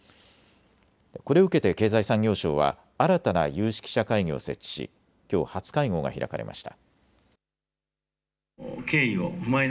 これを受けて経済産業省は新たな有識者会議を設置しきょう初会合が開かれました。